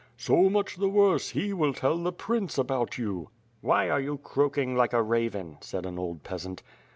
"So much the worse; he will tell the prince about you." "Why are you croaking like a raven?'' said an old peasant.